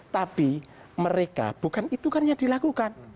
tapi mereka bukan itu kan yang dilakukan